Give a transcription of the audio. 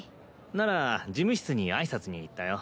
なら事務室に挨拶に行ったよ。